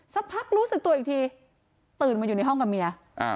สักพักรู้สึกตัวอีกทีตื่นมาอยู่ในห้องกับเมีย